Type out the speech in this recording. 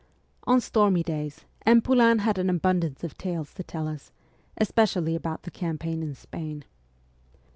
On stormy days M. Poulain had an abundance of tales to tell us, especially about the campaign in Spain.